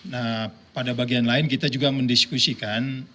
nah pada bagian lain kita juga mendiskusikan